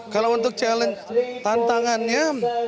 kalau untuk challenge tantangannya